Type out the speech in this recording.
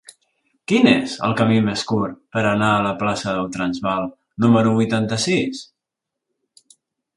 Quin és el camí més curt per anar a la plaça del Transvaal número vuitanta-sis?